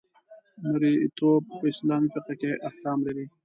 مرییتوب په اسلامي فقه کې احکام لري.